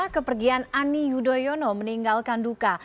kepergian ani yudhoyono meninggalkan duka